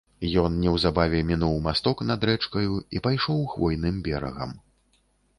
Ён неўзабаве мінуў масток над рэчкаю і пайшоў хвойным берагам.